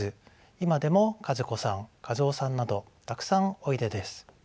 今でも和子さん和雄さんなどたくさんおいでです。